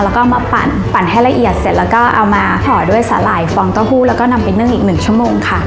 แล้วก็มาปั่นปั่นให้ละเอียดเสร็จแล้วก็เอามาห่อด้วยสาหร่ายฟองเต้าหู้แล้วก็นำไปนึ่งอีกหนึ่งชั่วโมงค่ะ